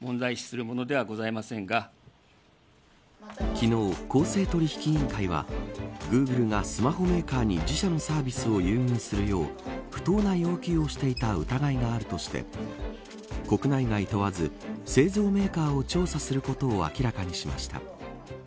昨日、公正取引委員会はグーグルがスマホメーカーに自社のサービスを優遇するよう不当な要求をしていた疑いがあるとして国内外問わず製造メーカーを調査することを明らかにしました。